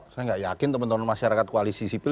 saya nggak yakin teman teman masyarakat koalisi sipil